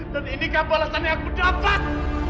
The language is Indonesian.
dan inikah balasan yang aku dapat